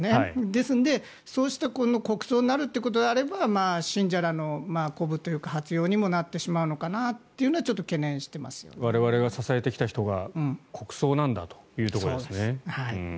ですので、そうした国葬になるということであれば信者らの鼓舞というか発揚にもなってしまうのかなというのは我々が支えてきた人が国葬なんだというところですね。